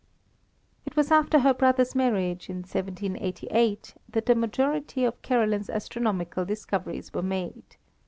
It was after her brother's marriage, in 1788, that the majority of Caroline's astronomical discoveries were made.